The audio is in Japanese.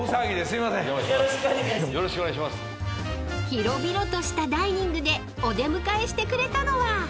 ［広々としたダイニングでお出迎えしてくれたのは］